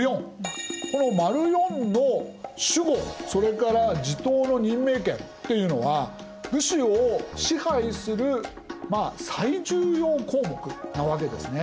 この④の守護それから地頭の任命権っていうのは武士を支配する最重要項目なわけですね。